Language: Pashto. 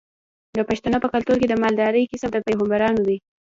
د پښتنو په کلتور کې د مالدارۍ کسب د پیغمبرانو دی.